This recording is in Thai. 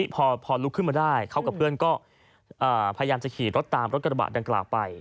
พอลุกขึ้นมาได้เขากับเพื่อนก็พยายามจะขี่รถตามรถกระบะดังกล่าวไป